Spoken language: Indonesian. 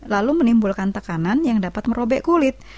lalu menimbulkan tekanan yang dapat merobek kulit